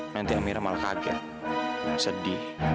nanti amira malah kaget sedih